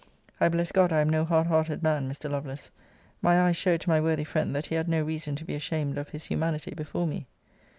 I bless God I am no hard hearted man, Mr. Lovelace: my eyes showed to my worthy friend, that he had no reason to be ashamed of his humanity before me.